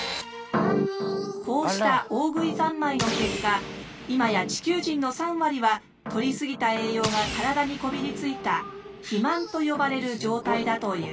こうした大食い三昧の結果今や地球人の３割は取り過ぎた栄養が体にこびりついた肥満と呼ばれる状態だという。